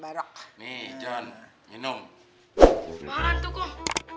bagaimana tuh kum